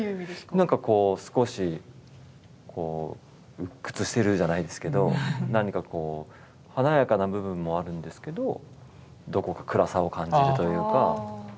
何かこう少し鬱屈してるじゃないですけど何かこう華やかな部分もあるんですけどどこか暗さを感じるというか。